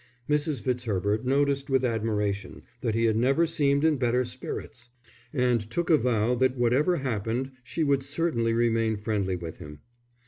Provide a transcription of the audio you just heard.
Mrs. Fitzherbert noticed with admiration that he had never seemed in better spirits, and took a vow that whatever happened she would certainly remain friendly with him.